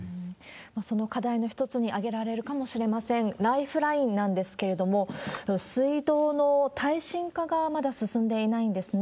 その課題の一つに挙げられるかもしれません、ライフラインなんですけれども、水道の耐震化がまだ進んでいないんですね。